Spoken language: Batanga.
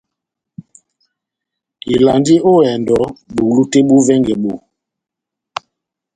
Ivalandi ó ehɛndɔ bulu tɛ́h bó vɛngɛ bó.